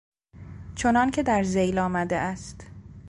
چنانکه در ذیل آمده است.